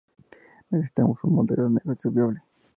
Necesitábamos un modelo de negocio viable".